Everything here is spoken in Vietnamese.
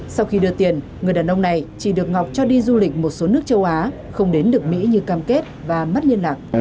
sau khi đưa tiền người đàn ông này chỉ được ngọc cho đi du lịch một số nước châu á không đến được mỹ như cam kết và mất liên lạc